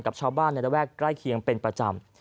กับชาวบ้านในระแวกใกล้เคียงเป็นประจำ